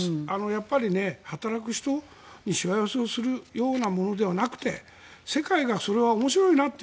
やっぱり働く人にしわ寄せが行くようなものではなくて世界がそれは面白いなと。